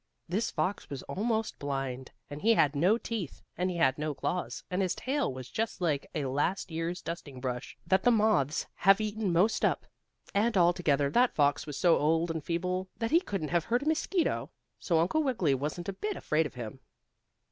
This fox was almost blind, and he had no teeth, and he had no claws, and his tail was just like a last year's dusting brush, that the moths have eaten most up, and altogether that fox was so old and feeble that he couldn't have hurt a mosquito. So Uncle Wiggily wasn't a bit afraid of him.